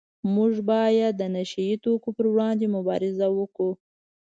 موږ باید د نشه یي توکو پروړاندې مبارزه وکړو